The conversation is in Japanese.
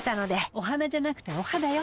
お花じゃなくてお肌よ。